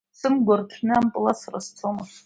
Сымгәа рҭәны ампыл асра сцома?